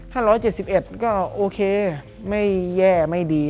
ถ้า๑๗๑ก็โอเคไม่แย่ไม่ดี